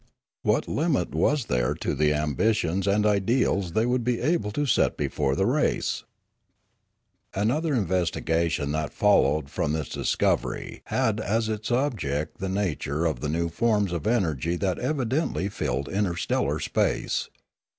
What limit was there to the ambitions and ideals they would be able to set before the race ? Another investigation that followed from this dis covery had as its object the nature of the new forms of energy that evidently filled interstellar space.